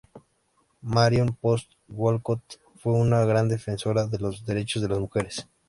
Marion Post Wolcott fue una gran defensora de los derechos de las mujeres.